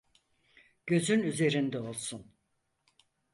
Gözün üzerinde olsun.